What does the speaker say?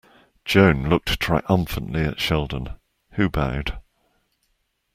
Joan looked triumphantly at Sheldon, who bowed.